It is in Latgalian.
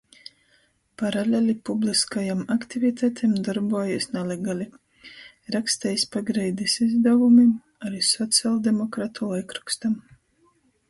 Paraleli publiskajom aktivitatem dorbuojīs nalegali — rakstejs pagreidis izdavumim, ari socialdemokratu laikrokstam.